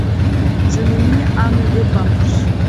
Je me mis à me débattre.